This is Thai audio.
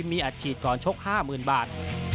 มีอัดฉีดก่อนชก๕๐๐๐บาท